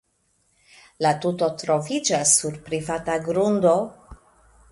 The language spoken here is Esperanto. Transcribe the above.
La tuto troviĝas sur privata grundo.